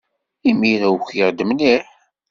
Imir-a ukiɣ-d mliḥ.